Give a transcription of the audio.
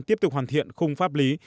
tiếp tục hoàn thiện khung pháp lý